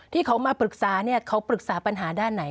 ที่เขามาปรึกษาเนี่ยเขาปรึกษาปัญหาด้านไหน